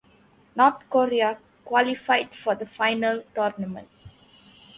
North Korea qualified for the final tournament.